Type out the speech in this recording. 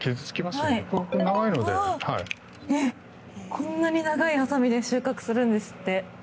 こんなに長いハサミで収穫するんですって。